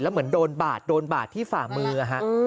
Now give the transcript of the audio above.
เหมือนโดนบาดโดนบาดที่ฝ่ามือ